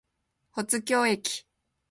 保津峡駅